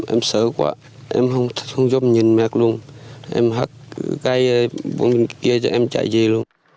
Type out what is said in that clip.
em sợ quá em không giúp nhìn mẹ luôn em hát cái bóng đèn kia cho em chạy về luôn